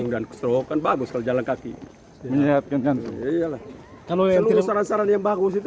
jalan jalan kaki enggak mau sehat sehat